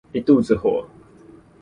一肚子火